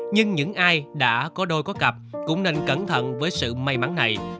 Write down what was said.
nhưng những ai đã có đôi có cặp cũng nên cẩn thận với sự may mắn này